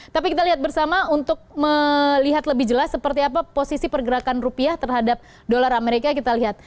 tapi kita lihat bersama untuk melihat lebih jelas seperti apa posisi pergerakan rupiah terhadap dolar amerika kita lihat